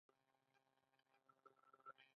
د علامه رشاد لیکنی هنر مهم دی ځکه چې دارو ټکي کاروي.